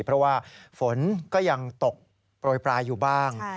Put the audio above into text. เพราะว่าฝนก็ยังตกโปรยปลายอยู่บ้าง